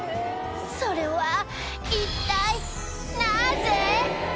それは一体なぜ？